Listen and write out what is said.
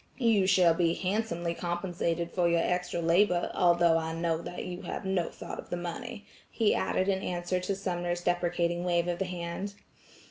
You shall be handsomely compensated for your extra labor, although I know that you have no thought of the money," he added in answer to Sumner's deprecating wave of the hand.